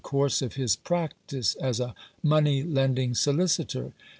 course of his practice as a money lending solicitor.